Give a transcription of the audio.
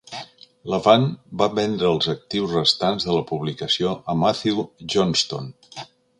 Levant va vendre els actius restants de la publicació a Matthew Johnston.